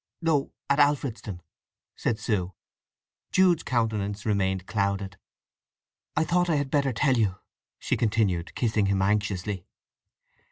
"No; at Alfredston," said Sue. Jude's countenance remained clouded. "I thought I had better tell you?" she continued, kissing him anxiously.